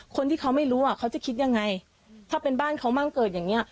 คนที่เขาไม่รู้อ่ะเขาจะคิดยังไงถ้าเป็นบ้านเขามั่งเกิดอย่างเงี้